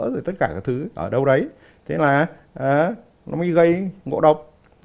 và nó mới gây ngộ độc